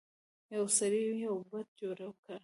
یو سړي یو بت جوړ کړ.